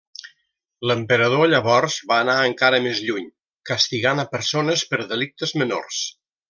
L'emperador llavors va anar encara més lluny, castigant a persones per delictes menors.